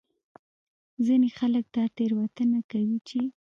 ځینې خلک دا تېروتنه کوي چې